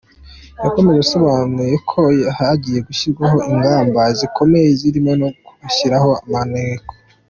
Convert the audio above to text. Yakomeje asobanure ko hagiye gushyirwaho ingamba zikomeye zirimo no kubashyiraho maneko.